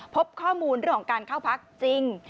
พบข้อมูลเรื่องของการเข้าพักจริง